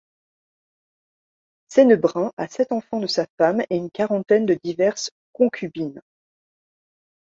Cenebrun a sept enfants de sa femme, et une quarantaine de diverses concubines.